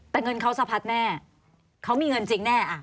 แต่เงินเขาสะพัดแน่เขามีเงินจริงแน่